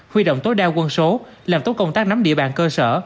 huy động tối đa quân số làm tốt công tác nắm địa bàn cơ sở